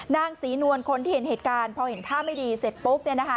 นางศรีนวลคนที่เห็นเหตุการณ์พอเห็นท่าไม่ดีเสร็จปุ๊บ